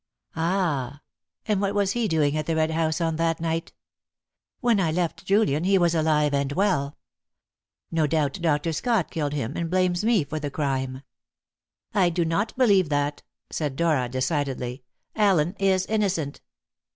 "Ah! And what was he doing at the Red House on that night? When I left Julian, he was alive and well. No doubt Dr. Scott killed him, and blames me for the crime." "I do not believe that," said Dora decidedly. "Allen is innocent."